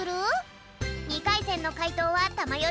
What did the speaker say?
２かいせんのかいとうはたまよ